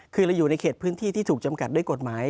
คือเราอยู่ในเขตพื้นที่ที่ถูกจำกัดด้วยกฎหมาย